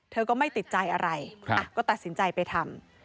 เธอก็ไม่ติดใจอะไรก็ตัดสินใจไปทำ